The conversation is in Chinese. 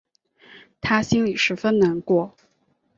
她心里十分难过